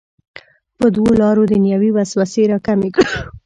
په دوو لارو دنیوي وسوسې راکمې کړو.